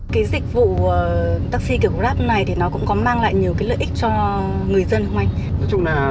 cái dịch vụ taxi kiểu grab này thì nó cũng có mang lại nhiều cái lợi ích cho người dân không anh dùng